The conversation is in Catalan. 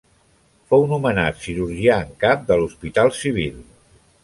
Fou nomenat cirurgià en cap de l'Hospital civil.